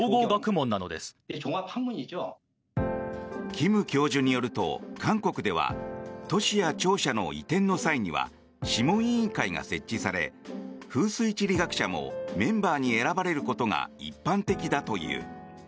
キム教授によると、韓国では都市や庁舎の移転の際には諮問委員会が設置され風水地理学者もメンバーに選ばれることが一般的だという。